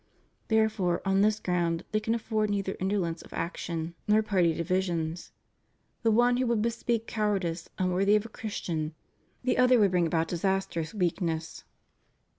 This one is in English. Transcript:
Therefore, on this ground, they can afford neither indolence of action nor ALLEGIANCE TO THE REPUBLIC. 253 party divisions; the one would bespeak cowardice un worthy of a Christian, the other would bring about disas trous weakness.